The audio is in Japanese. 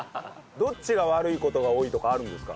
どっちが悪い事が多いとかあるんですか？